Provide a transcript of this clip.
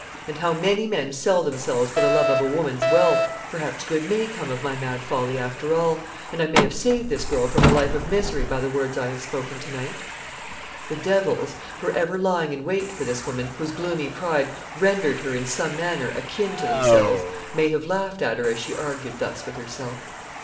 and how many men sell themselves for the love of a woman's wealth! Perhaps good may come of my mad folly, after all; and I may have saved this girl from a life of misery by the words I have spoken to night." The devils for ever lying in wait for this woman, whose gloomy pride rendered her in some manner akin to themselves may have laughed at her as she argued thus with herself.